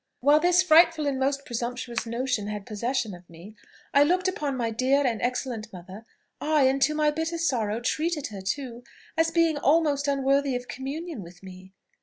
While this frightful and most presumptuous notion had possession of me, I looked upon my dear and excellent mother ay, and, to my bitter sorrow, treated her too, as a being almost unworthy of communion with me!